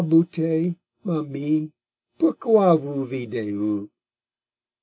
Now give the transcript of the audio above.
Bouteille, ma mie; Pourquoi vous videz vous?